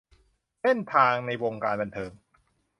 เส้นทางในวงการบันเทิง